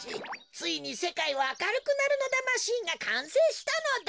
ついにせかいはあかるくなるのだマシンがかんせいしたのだ。